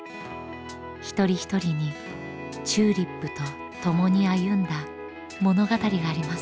一人一人にＴＵＬＩＰとともに歩んだ物語があります。